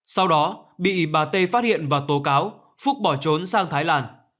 sau đó bị bà tê phát hiện và tố cáo phúc bỏ trốn sang thái lan